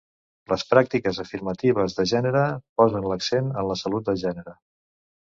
Les pràctiques afirmatives de gènere posen l'accent en la salut de gènere.